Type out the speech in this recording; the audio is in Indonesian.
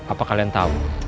apa kalian tahu